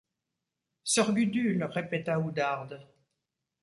Sœur Gudule! répéta Oudarde.